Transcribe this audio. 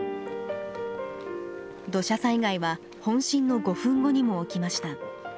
土砂災害は本震の５分後にも起きました。